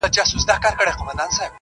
نن بيا يوې پيغلي په ټپه كـي راتـه وژړل,